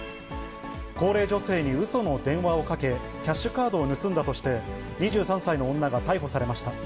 高齢女性にうその電話をかけ、キャッシュカードを盗んだとして、２３歳の女が逮捕されました。